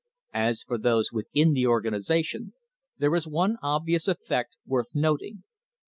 As for those within the organisation there is one obvious effect worth noting.